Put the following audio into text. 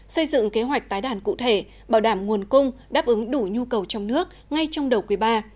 xây dựng kế hoạch tái đàn cụ thể bảo đảm nguồn cung đáp ứng đủ nhu cầu trong nước ngay trong đầu quý iii